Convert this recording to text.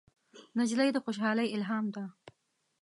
نجلۍ د خوشحالۍ الهام ده.